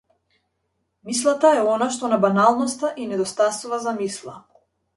Мислата е она што на баналноста и недостасува за мисла.